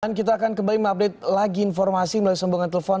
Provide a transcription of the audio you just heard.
dan kita akan kembali mengupdate lagi informasi melalui sembangkan telepon